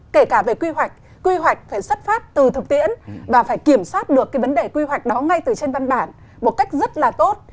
kể cả về quy hoạch quy hoạch phải xuất phát từ thực tiễn và phải kiểm soát được cái vấn đề quy hoạch đó ngay từ trên văn bản một cách rất là tốt